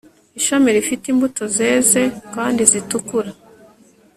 Ishami rifite imbuto zeze kandi zitukura